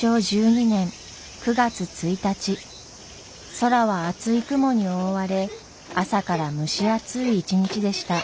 空は厚い雲に覆われ朝から蒸し暑い一日でした。